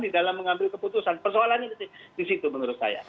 di dalam mengambil keputusan persoalannya disitu menurut saya